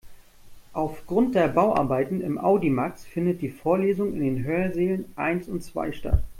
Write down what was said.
Aufgrund der Bauarbeiten im Audimax findet die Vorlesung in den Hörsälen eins und zwei statt.